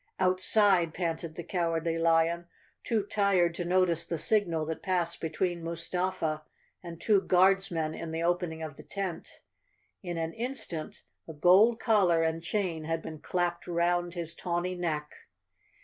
"Outside," panted the Cowardly Lion, too tired to notice the signal that passed between Mustafa and two Guardsmen in the opening of the tent. In an instant a gold collar and chain had been clapped 'round his tawny neck.